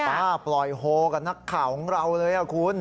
ป้าปล่อยโฮกับนักข่าวของเราเลยคุณ